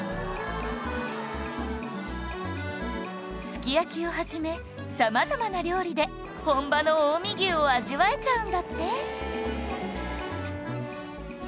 すき焼きを始め様々な料理で本場の近江牛を味わえちゃうんだって！